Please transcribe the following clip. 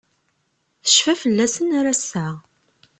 Tecfa fell-asen ar ass-a.